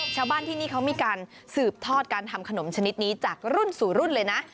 ชาวบ้านที่นี่เขามีการสืบทอดการทำขนมชนิดนี้จากรุ่นสู่รุ่นเลยนะ